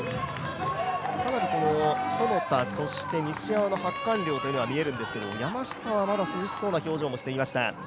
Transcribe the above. かなり其田、そして西山の発汗量が見えるんですけど山下はまだ涼しそうな表情もしていました。